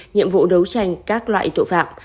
nhiệm vụ đấu tranh các loại tội phạm